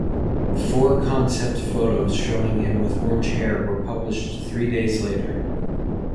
Four concept photos showing him with orange hair were published three days later.